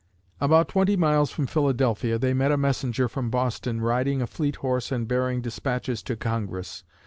About twenty miles from Philadelphia, they met a messenger from Boston riding a fleet horse and bearing dispatches to Congress.